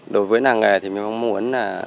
đối với nàng nghề thì mình mong muốn là